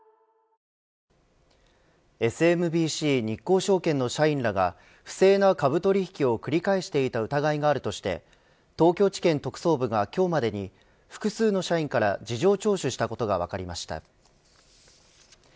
ＳＭＢＣ日興証券の社員らが不正な株取引を繰り返していた疑いがあるとして東京地検特捜部が今日までに複数の社員から事情聴取したことが分かりました。